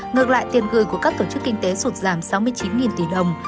ngược lại tiền gửi của các tổ chức kinh tế sụt giảm sáu mươi chín tỷ đồng